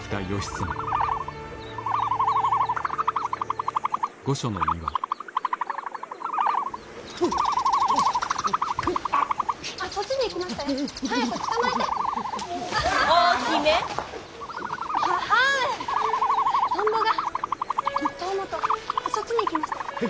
遠元そっちに行きましたよ。